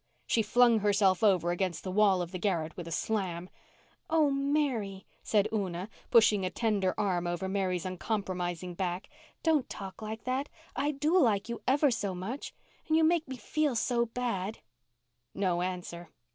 She flung herself over against the wall of the garret with a slam. "Oh, Mary," said Una, pushing a tender arm over Mary's uncompromising back, "don't talk like that. I do like you ever so much. And you make me feel so bad." No answer.